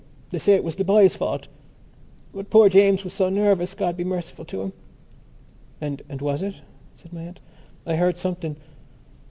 They say it was the boy's fault. But poor James was so nervous, God be merciful to him!" "And was that it?" said my aunt. "I heard something...."